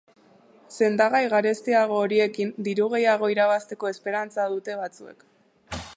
Sendagai garestiago horiekin diru gehiago irabazteko esperantza dute batzuek.